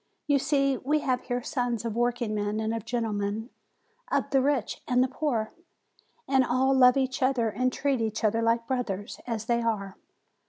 You see, we have here sons of workingmen and of gentlemen, of the rich and the poor, and all love each other and treat each other like brothers, as they are.